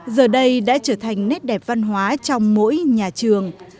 giờ đây đã trở thành nét đẹp văn hóa trong mỗi nhà trường